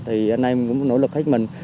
thì anh em cũng nỗ lực hết mình